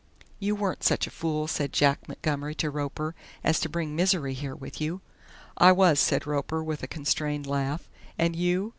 "You weren't such a fool," said Jack Montgomery to Roper, "as to bring Misery here with you?" "I was," said Roper with a constrained laugh "and you?"